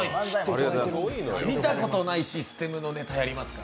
見たことないシステムのネタやりますから。